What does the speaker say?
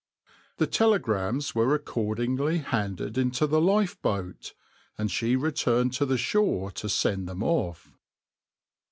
The telegrams were accordingly handed into the lifeboat, and she returned to the shore to send them off.